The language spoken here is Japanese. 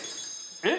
えっ？